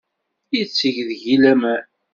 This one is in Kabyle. Yetteg deg-i laman.